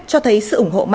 cho thấy sự ủng hộ mạnh mẽ